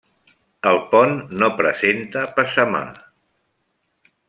El pont no presenta passamà.